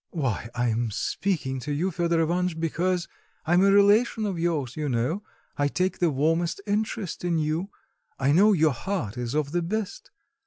"Why, I am speaking to you, Fedor Ivanitch, because I am a relation of yours, you know, I take the warmest interest in you I know your heart is of the best.